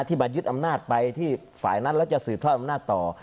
มายึดอำนาจไปที่ฝ่ายนั้นแล้วจะสืบทอดอำนาจต่อ